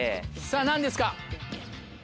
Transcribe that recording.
さぁ何ですか？